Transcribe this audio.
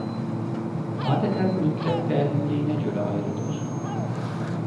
Adətən mütləq dərinliyinə görə ayrılır.